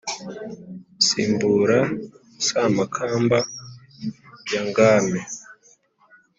simbura samakamba ya ngame